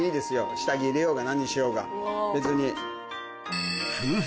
下着入れようが何しようが別に。